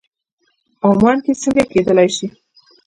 عمان کې څنګه کېدلی شي.